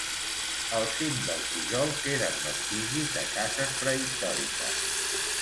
Al cim del pujol queden vestigis de cases prehistòriques.